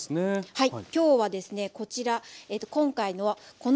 はい。